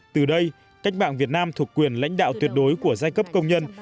từ đây cách mạng việt nam thuộc quyền lãnh đạo tuyệt đối của giai cấp công nhân